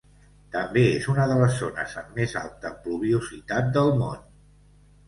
També és una de les zones amb més alta pluviositat del món.